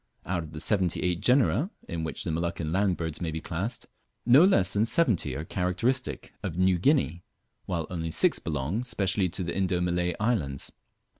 Out of the seventy eight genera in which the Moluccan land birds may be classed, no less than seventy are characteristic of Yew Guinea, while only six belong specially to the Indo Malay islands.